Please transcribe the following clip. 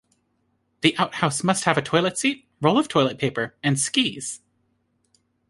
The outhouse must have a toilet seat, roll of toilet paper, and skis.